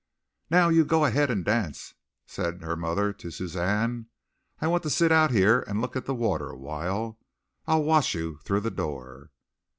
"Now you go ahead and dance," said her mother to Suzanne. "I want to sit out here and look at the water a while. I'll watch you through the door."